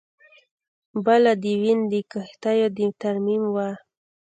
بله د وین د کښتیو د ترمیم وه